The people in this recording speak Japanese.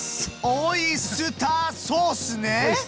オイスターソース！